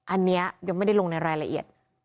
อันนี้ยังไม่ได้ลงในรายละเอียด